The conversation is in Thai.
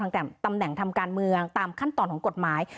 ตำแหน่งทำการเมืองตามขั้นตอนของกฎหมาย